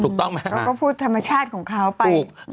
เขาก็พูดธรรมชาติของเขาไป